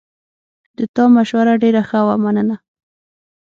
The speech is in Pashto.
د تا مشوره ډېره ښه وه، مننه